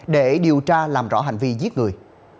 để điều tra làm rõ hành vi giết người